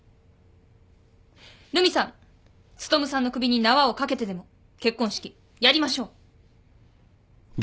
留美さん努さんの首に縄を掛けてでも結婚式やりましょう。